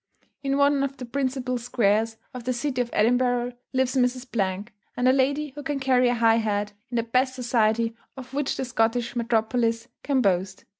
In one of the principal squares of the city of Edinburgh lives Mrs. Blank, a lady who can carry a high head, in the best society of which the Scottish metropolis can boast.